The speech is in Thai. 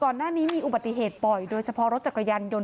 ก่อนหน้านี้มีอุบัติเหตุบ่อยโดยเฉพาะรถจักรยานยนต